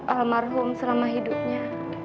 almarhum selama hidupnya